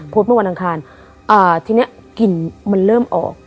เมื่อวันอังคารอ่าทีนี้กลิ่นมันเริ่มออก